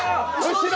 後ろ！